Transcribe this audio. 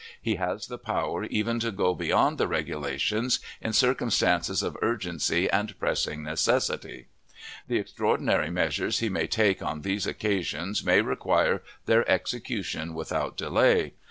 He has the power even to go beyond the regulations, in circumstances of urgency and pressing necessity. The extraordinary measures he may take on these occasions may require their execution without delay.